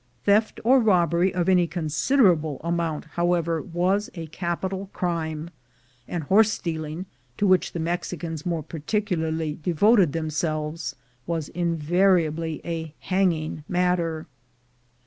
Theft or robbery of any considerable amount, how ever, was a capital crime; and horse stealing, to which the Mexicans more particularly devoted themselves, was invariably a hanging matter.